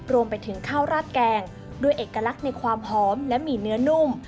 รวมไปถึงข้าวราดแกงด้วยเอกลักษณ์ในความหอมและมีเนื้อนุ่ม